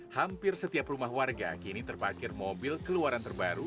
hampir setiap rumah warga kini terpakir mobil keluaran terbaru